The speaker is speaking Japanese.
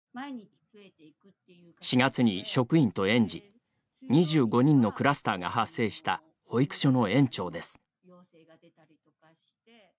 ４月に職員と園児、２５人のクラスターが発生した保育所の園長です。